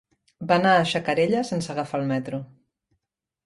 Va anar a Xacarella sense agafar el metro.